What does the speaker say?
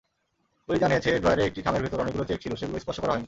Police জানিয়েছে, ড্রয়ারে একটি খামের ভেতর অনেকগুলো চেক ছিল, সেগুলো স্পর্শ করা হয়নি।